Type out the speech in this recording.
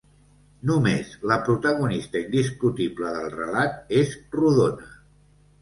Només la protagonista indiscutible del relat és rodona.